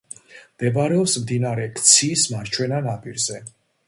მდებარეობს მდინარე ქციის მარჯვენა ნაპირზე.